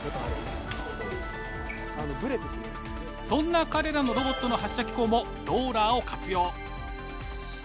そんな彼らのロボットの発射機構もローラーを活用。